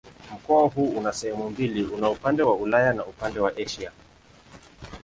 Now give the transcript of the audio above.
Mkoa huu una sehemu mbili: una upande wa Ulaya na upande ni Asia.